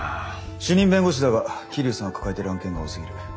主任弁護士だが桐生さんは抱えてる案件が多すぎる。